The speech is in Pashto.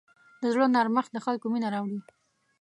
د زړه نرمښت د خلکو مینه راوړي.